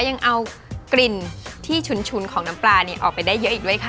ยังเอากลิ่นที่ฉุนของน้ำปลาออกไปได้เยอะอีกด้วยค่ะ